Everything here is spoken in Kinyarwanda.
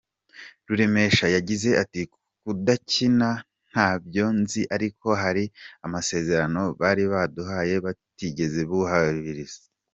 Ruremesha yagize ati “Kudakina ntabyo nzi ariko hari amasezerano bari baduhaye batigeze bubahiriza.